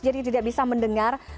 jadi tidak bisa mendengar